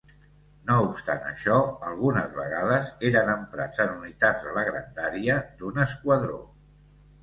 No obstant això, algunes vegades eren emprats en unitats de la grandària d'un esquadró.